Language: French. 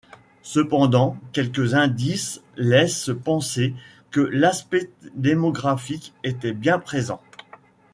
Cependant, quelques indices laissent penser que l'aspect démographique était bien présent.